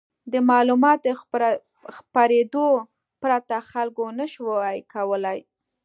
د معلوماتو خپرېدو پرته خلکو نه شوای کولای.